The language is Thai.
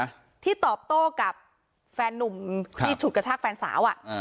เขาสอบโต้กับแฟนหนุ่มที่ฉุดกระชากแฟนสาวอะ